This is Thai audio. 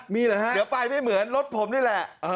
มีเหรอฮะเดี๋ยวไปไม่เหมือนรถผมนี่แหละ